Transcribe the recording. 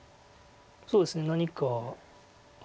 そうですね何かはい。